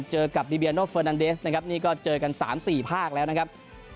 เจอกับบีเบียโนเฟอร์นันเดสนะครับนี่ก็เจอกัน๓๔ภาคแล้วนะครับ